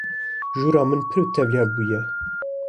Jûra min pir tevlihev bûye.